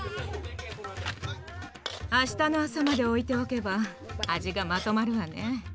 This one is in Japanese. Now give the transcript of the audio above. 明日の朝まで置いておけば味がまとまるわね。